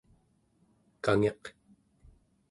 kangiq